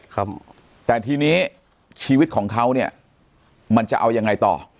ครับแต่ทีนี้ชีวิตของเขาเนี่ยมันจะเอายังไงต่อ